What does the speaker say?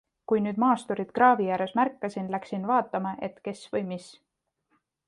Kui nüüd maasturit kraavi ääres märkasin, läksin vaatama, et kes või mis.